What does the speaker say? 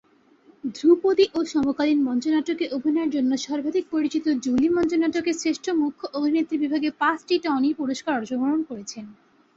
ধ্রুপদী ও সমকালীন মঞ্চনাটকে অভিনয়ের জন্য সর্বাধিক পরিচিত জুলি মঞ্চনাটকে শ্রেষ্ঠ মুখ্য অভিনেত্রী বিভাগে পাঁচটি টনি পুরস্কার অর্জন করেছেন।